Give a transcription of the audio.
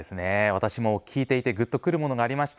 私も聞いていてぐっと来るものがありました。